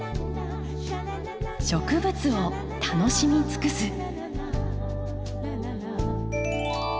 植物を楽しみつくす。